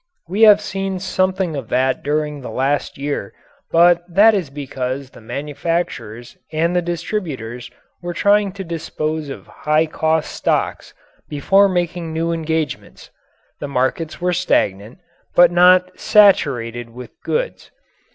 We have seen something of that during the last year, but that is because the manufacturers and the distributors were trying to dispose of high cost stocks before making new engagements. The markets were stagnant, but not "saturated" with goods.